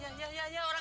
ya ya ya ya orang